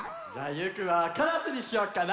ゆうくんはカラスにしようかな。